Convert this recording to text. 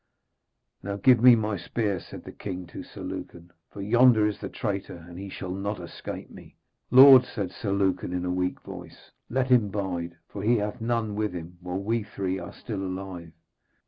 'Now give me my spear,' said the king to Sir Lucan, 'for yonder is the traitor, and he shall not escape me.' 'Lord,' said Sir Lucan in a weak voice, 'let him bide, for he hath none with him, while we three are still alive.'